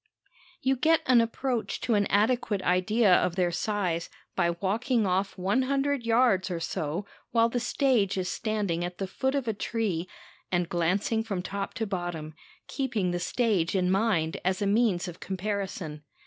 You get an approach to an adequate idea of their size by walking off 100 yards or so while the stage is standing at the foot of a tree and glancing from top to bottom, keeping the stage in mind as a means of comparison.